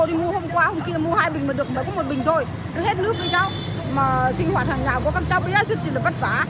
mà sinh hoạt hàng ngày của các cháu bây giờ rất là vất vả